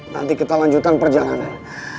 nanti kita lanjutan perjalanan